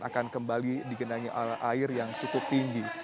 mereka akan kembali dikendali air yang cukup tinggi